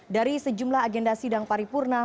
dari sejumlah agenda sidang paripurna